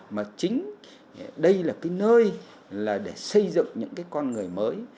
mà chính đây là nơi để xây dựng những con người mới